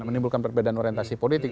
menimbulkan perbedaan orientasi politik